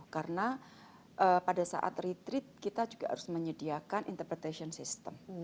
karena pada saat retret kita juga harus menyediakan interpretation system